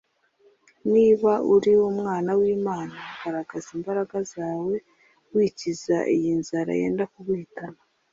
” Niba uri Umwana w’Imana,” garagaza imbaraga zawe wikiza iyi nzara yenda kuguhitana